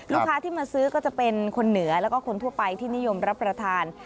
ลูกค้าที่มาซื้อก็จะเป็นคนเหนือแล้วก็คนทั่วไปที่นิยมรับประทาน